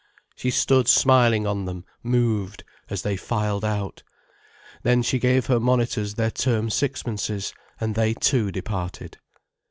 She stood smiling on them, moved, as they filed out. Then she gave her monitors their term sixpences, and they too departed.